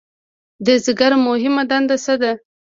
د ځیګر مهمه دنده څه ده؟